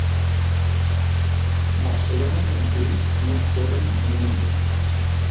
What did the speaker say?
Barcelona i Montjuïc no es feren en una nit.